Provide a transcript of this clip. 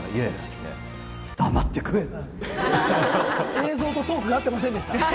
映像とトークが合ってませんでした。